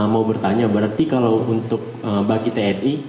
mau bertanya berarti kalau untuk bagi tni